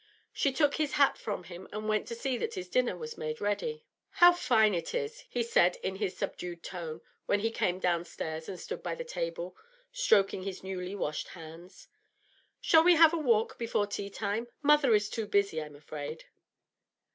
She took his hat from him, and went to see that his dinner was made ready. 'How fine it is!' he said in his subdued tone, when he came downstairs and stood by the table stroking his newly washed hands. 'Shall we have a walk before tea time? Mother is too busy, I'm afraid.'